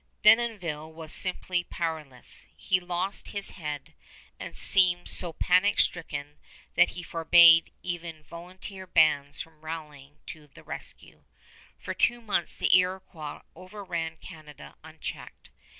Denonville was simply powerless. He lost his head, and seemed so panic stricken that he forbade even volunteer bands from rallying to the rescue. For two months the Iroquois overran Canada unchecked.